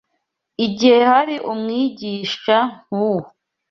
Igihe hari Umwigisha nk’uwo